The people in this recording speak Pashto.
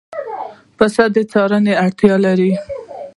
پسه د څارنې اړتیا لري.